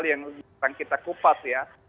yang kita kupas ya